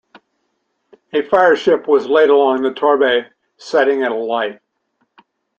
A fireship was laid alongside the "Torbay", setting it alight.